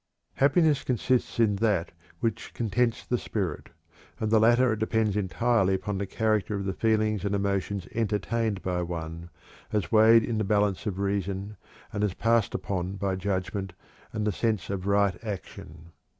Happiness consists in that which "contents the spirit," and the latter depends entirely upon the character of the feelings and emotions entertained by one, as weighed in the balance of reason, and as passed upon by judgment and the sense of right action.